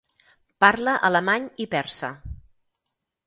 Parla alemany i persa.